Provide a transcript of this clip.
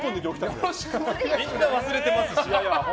みんな忘れてますし。